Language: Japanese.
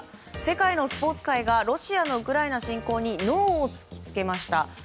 世界のスポーツ界がロシアのウクライナ侵攻にノーを突きつけました。